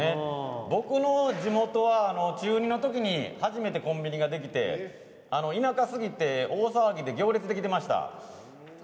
僕の地元は中２の時に初めてコンビニができて田舎すぎて大騒ぎで行列できてました。